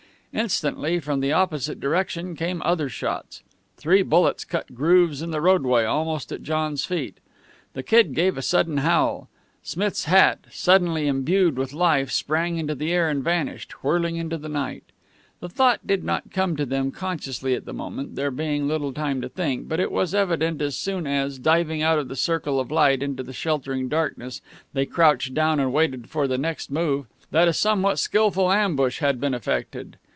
Instantly from the opposite direction came other shots. Three bullets cut grooves in the roadway almost at John's feet. The Kid gave a sudden howl. Smith's hat, suddenly imbued with life, sprang into the air and vanished, whirling into the night. The thought did not come to them consciously at the moment, there being little time to think, but it was evident as soon as, diving out of the circle of light into the sheltering darkness, they crouched down and waited for the next move, that a somewhat skilful ambush had been effected.